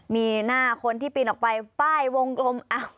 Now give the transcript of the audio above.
มีหน้าคนที่ปีนออกไปป้ายวงกลม